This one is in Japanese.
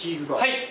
はい。